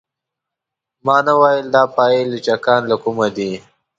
ما نه ویل دا پايي لچکان له کومه دي.